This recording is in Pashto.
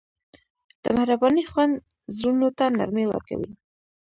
د مهربانۍ خوند زړونو ته نرمي ورکوي.